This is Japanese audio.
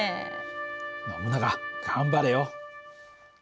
ノブナガ頑張れよ。